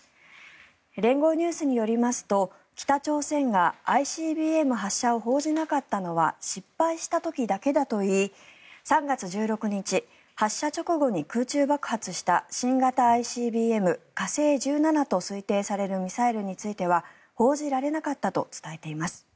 連合ニュースによりますと北朝鮮がＩＣＢＭ発射を報じなかったのは失敗した時だけだといい３月１６日発射直後に空中爆発した新型ＩＣＢＭ、火星１７と推定されるミサイルについては報じられなかったと伝えています。